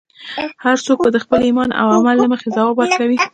هر څوک به د خپل ایمان او عمل له مخې ځواب ورکوي.